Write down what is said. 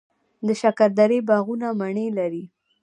د شکردرې باغونه مڼې لري.